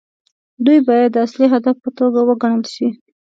دوی باید د اصلي هدف په توګه وګڼل شي.